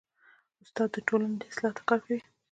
استاد د ټولنې اصلاح ته کار کوي.